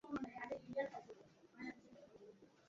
এই মামলার শুনানি কিছুদিন ধরেই চলছে।